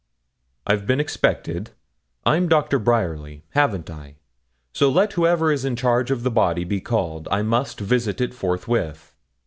'I've been expected? I'm Doctor Bryerly. Haven't I? So, let whoever is in charge of the body be called. I must visit it forthwith.'